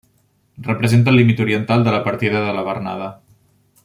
Representa el límit oriental de la partida de la Bernada.